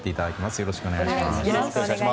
よろしくお願いします。